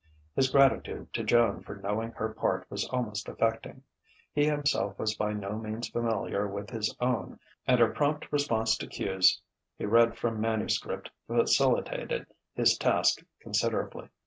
His gratitude to Joan for knowing her part was almost affecting; he himself was by no means familiar with his own and her prompt response to cues he read from manuscript facilitated his task considerably.